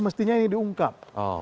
mestinya ini diungkap